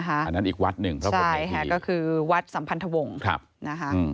อันนั้นอีกวัดหนึ่งพระพรหมเมธีใช่ค่ะก็คือวัดสัมพันธวงศ์